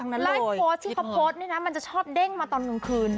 แล้วโพสต์ที่เขาโพสต์นี่นะมันจะชอบเด้งมาตอนกลางคืน